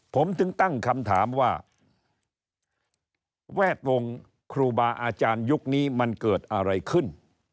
ผมถึงตั้งคำถามว่าแวดวงครูบาอาจารย์ยุคนี้มันเกิดอะไรขึ้น